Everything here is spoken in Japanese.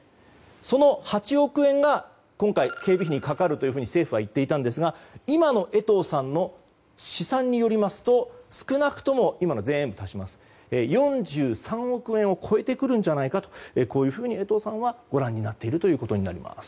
その８億円が今回、警備費にかかると政府は言っていましたが今の江藤さんの試算によりますと少なくとも今の全部足すと４３億円を超えてくるんじゃないかというふうに江藤さんはご覧になっているということになります。